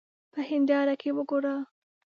په هېنداره کې وګوره.